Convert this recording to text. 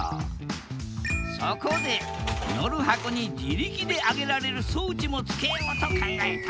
そこで乗る箱に自力で上げられる装置も付けようと考えた。